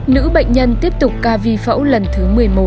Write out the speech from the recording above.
nữ bệnh nhân tiếp tục ca vi phẫu lần thứ một mươi một